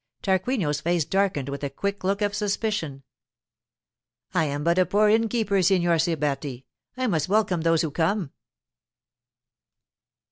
Tarquinio's face darkened with a quick look of suspicion. 'I am but a poor innkeeper, Signor Siberti. I must welcome those who come.